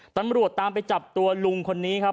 ตำรวจตามไปจับตัวลุงคนนี้ครับ